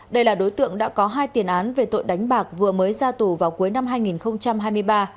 đây là đối tượng đã có hai tiền án về tội đánh bạc vừa mới ra tù vào cuối năm hai nghìn hai mươi ba